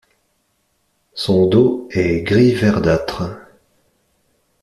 Son dos est gris verdâtre.